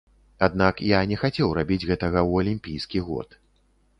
Аднак я не хацеў рабіць гэтага ў алімпійскі год.